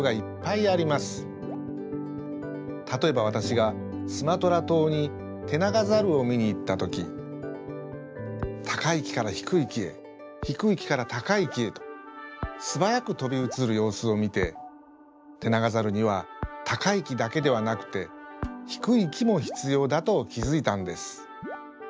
たとえばわたしがスマトラ島にテナガザルを見に行ったときたかいきからひくいきへひくいきからたかいきへとすばやくとびうつるようすをみてテナガザルにはたかいきだけではなくてひくいきもひつようだときづいたんです。